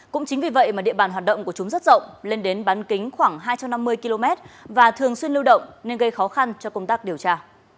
cũng chính vì vậy mà địa bàn hoạt động của chúng rất rộng lên đến bán kính khoảng hai trăm năm mươi km và thường xuyên lưu động nên gây khó khăn cho công tác điều tra